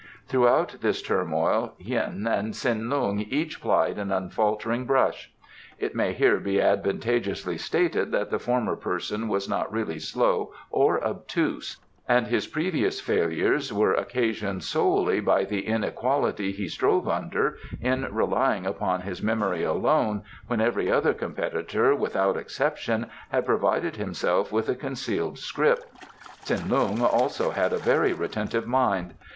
Throughout this turmoil Hien and Tsin Lung each plied an unfaltering brush. It may here be advantageously stated that the former person was not really slow or obtuse and his previous failures were occasioned solely by the inequality he strove under in relying upon his memory alone when every other competitor without exception had provided himself with a concealed scrip. Tsin Lung also had a very retentive mind.